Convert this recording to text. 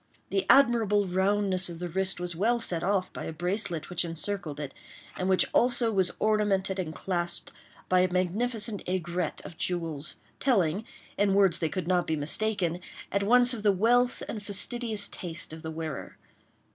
The admirable roundness of the wrist was well set off by a bracelet which encircled it, and which also was ornamented and clasped by a magnificent aigrette of jewels—telling, in words that could not be mistaken, at once of the wealth and fastidious taste of the wearer.